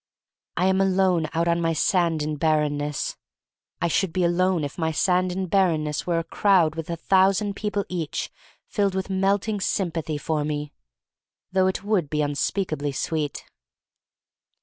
I am alone out on my sand and bar renness. I should be alone if my sand and barrenness were crowded with a thousand people each filled with melt ing sympathy for me — though it would be unspeakably sweet.